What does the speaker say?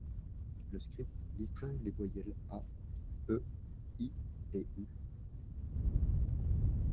Le script distingue les voyelles a, e, i et u.